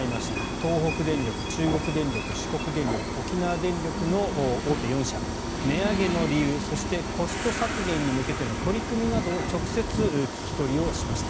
東北電力、中国電力四国電力、沖縄電力の大手４社値上げの理由そしてコスト削減に向けての取り組みなどを直接、聞き取りをしました。